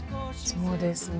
そうですね。